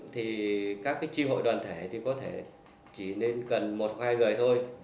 thì các tri hội đoàn thể thì có thể chỉ nên cần một khoai gầy thôi